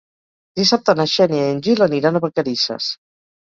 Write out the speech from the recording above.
Dissabte na Xènia i en Gil aniran a Vacarisses.